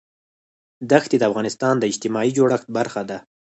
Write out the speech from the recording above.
دښتې د افغانستان د اجتماعي جوړښت برخه ده.